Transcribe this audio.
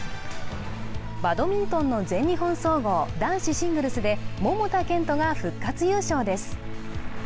バドミントンの全日本総合男子シングルスで桃田賢斗が復活優勝です。